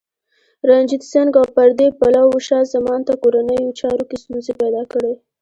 رنجیت سنګ او پردي پلوو شاه زمان ته کورنیو چارو کې ستونزې پیدا کړې.